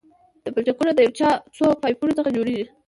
دا پلچکونه د یو یا څو پایپونو څخه جوړیږي